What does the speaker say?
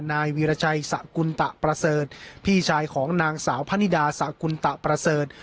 นายวีรชัยสกุลตะประเสริฐพี่ชายของนางสาวพะนิดาสะกุลตะประเสริฐ